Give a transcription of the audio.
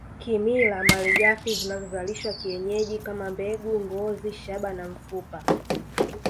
Kimila malighafi zinazozalishwa kienyeji kama mbegu ngozi shaba na mfupa